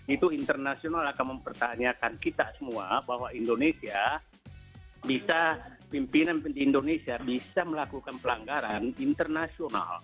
itu internasional akan mempertanyakan kita semua bahwa indonesia bisa pimpinan pimpinan indonesia bisa melakukan pelanggaran internasional